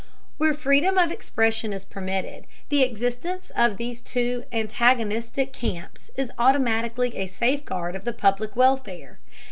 Where freedom of expression is permitted, the existence of these two antagonistic camps is automatically a safeguard of the public welfare.